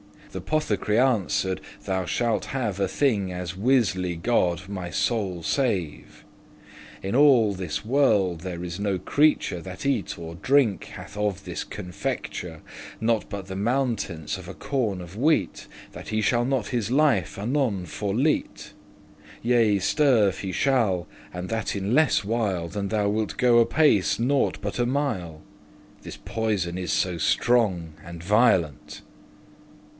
Th'apothecary answer'd, "Thou shalt have A thing, as wisly* God my soule save, *surely In all this world there is no creature That eat or drank hath of this confecture, Not but the mountance* of a corn of wheat, *amount That he shall not his life *anon forlete;* *immediately lay down* Yea, sterve* he shall, and that in lesse while *die Than thou wilt go *apace* nought but a mile: *quickly* This poison is so strong and violent."